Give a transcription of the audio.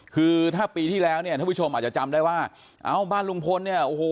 คือถ้าปีที่แล้วเนี่ยท่านผู้ชมอาจจะจำได้ว่าเอ้าบ้านลุงพลเนี่ยโอ้โห